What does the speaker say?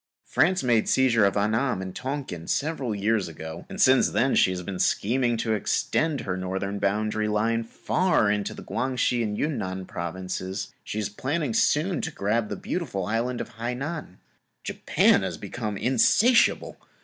France made seizure of Anam and Tong King several years ago and since then she is scheming to extend her northern boundary line far into the Quang Se and Yun Nan Provinces; she is planning soon to grab the beautiful island of Hainan. Japan has also become insatiable.